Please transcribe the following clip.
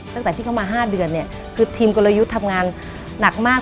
ตั้งแต่ที่เขามา๕เดือนเนี่ยคือทีมกลยุทธ์ทำงานหนักมาก